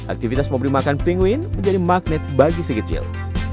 aktivitas membeli makan pinguin menjadi magnet bagi sekecil